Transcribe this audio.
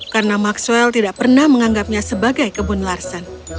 karena maxwell tidak pernah menganggapnya sebagai kebun larsen